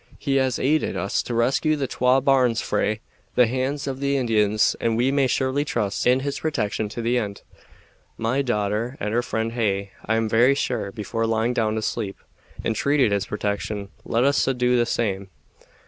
He has aided us to rescue the twa bairns frae the hands of the Indians, and we may surely trust in his protection to the end. My daughter and her friend hae, I am very sure, before lying down to sleep, entreated his protection. Let us a' do the same."